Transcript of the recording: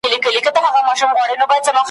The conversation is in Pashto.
اوس « غلی شانته انقلاب» سندري نه ږغوي `